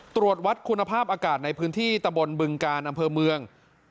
ตรวจวัดคุณภาพอากาศในพื้นที่ตะบนบึงกาลอำเภอเมือง